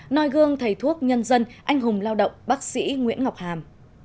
nói gương thầy thuốc nhân dân anh hùng lao động bác sĩ nguyễn ngọc hàm